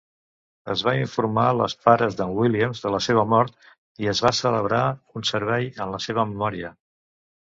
Es va informar las pares d'en Williams de la seva mort i es va celebrar un servei en la seva memòria.